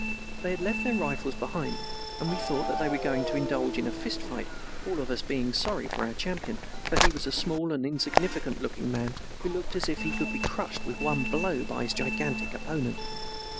They had left their rifles behind, and we thought that they were going to indulge in a fist fight, all of us being sorry for our champion, for he was a small and insignificant looking man who looked as if he could be crushed with one blow by his gigantic opponent.